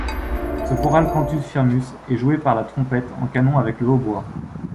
Ce choral cantus firmus est joué par la trompette en canon avec le hautbois.